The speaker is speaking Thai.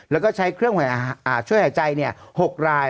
แล้วก็ใช้เครื่องช่วยหายใจ๖ราย